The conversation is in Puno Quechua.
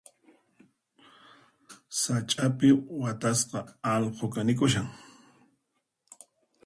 Sach'api watasqa allqu kanikushan.